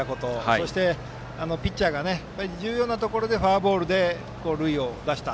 そして、ピッチャーが重要なところでフォアボールで塁に出した。